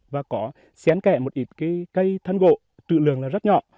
và có xén kẹ một ít cây thân gộ trự lượng là rất nhỏ